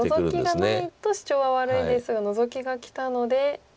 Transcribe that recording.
ノゾキがないとシチョウは悪いですがノゾキがきたので。